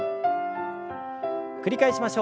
繰り返しましょう。